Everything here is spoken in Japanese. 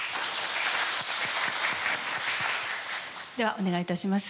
ではお願いいたします。